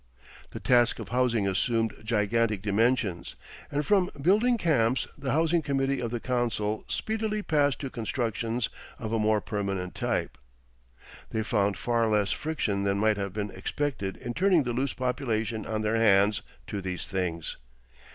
The task of housing assumed gigantic dimensions, and from building camps the housing committee of the council speedily passed to constructions of a more permanent type. They found far less friction than might have been expected in turning the loose population on their hands to these things.